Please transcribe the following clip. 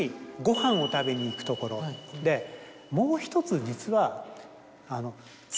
でもう１つ実は。